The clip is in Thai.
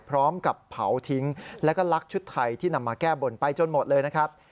พร้อมกับเผาทิ้งแล้วก็ลักชุดไทยที่นำมาแก้บนไปจนหมดเลยนะครับ